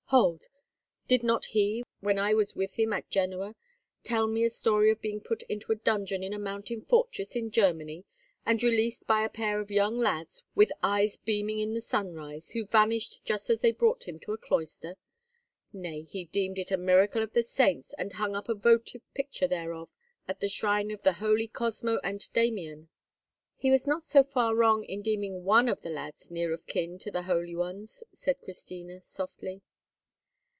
Hold,—did not he, when I was with him at Genoa, tell me a story of being put into a dungeon in a mountain fortress in Germany, and released by a pair of young lads with eyes beaming in the sunrise, who vanished just as they brought him to a cloister? Nay, he deemed it a miracle of the saints, and hung up a votive picture thereof at the shrine of the holy Cosmo and Damian." "He was not so far wrong in deeming one of the lads near of kin to the holy ones," said Christina, softly.